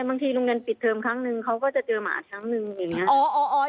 โรงเรียนปิดเทอมครั้งนึงเขาก็จะเจอหมาครั้งนึงอย่างนี้